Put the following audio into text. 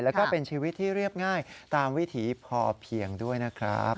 แล้วก็เป็นชีวิตที่เรียบง่ายตามวิถีพอเพียงด้วยนะครับ